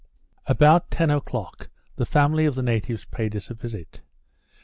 About ten o'clock, the family of the natives paid us a visit.